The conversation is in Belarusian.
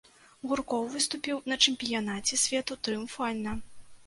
Гуркоў выступіў на чэмпіянаце свету трыумфальна.